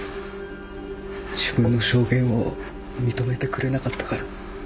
自分の証言を認めてくれなかったから。